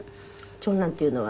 長男っていうのは？